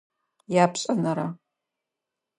Япшӏэнэрэ.